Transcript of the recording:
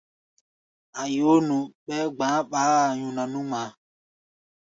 A̧ yoó nu, ɓɛɛ́ gba̧á̧ ɓaá-a nyuna nú ŋmaa.